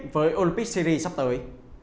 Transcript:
với olympic series sắp tới